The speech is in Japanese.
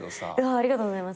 ありがとうございます。